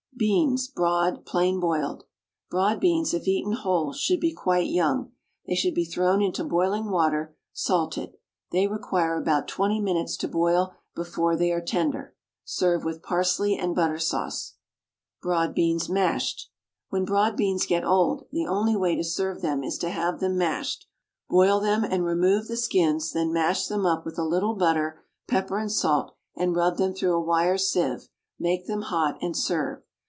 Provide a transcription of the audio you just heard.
BEANS, BROAD, PLAIN BOILED. Broad beans, if eaten whole, should be quite young. They should be thrown into boiling water, salted. They require about twenty minutes to boil before they are tender. Serve with parsley and butter sauce. BROAD BEANS, MASHED. When broad beans get old, the only way to serve them is to have them mashed. Boil them, and remove the skins, then mash them up with a little butter, pepper, and salt, and rub them through a wire sieve, make them hot, and serve.